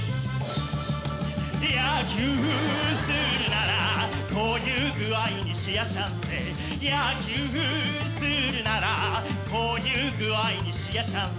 「野球するならこういう具合にしやしゃんせ」「野球するならこういう具合にしやしゃんせ」